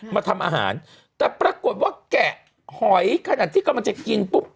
มาทำอาหารแต่ปรากฏว่าแกะหอยขนาดที่กำลังจะกินปุ๊บ